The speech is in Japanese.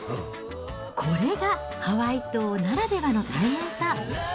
これがハワイ島ならではの大変さ。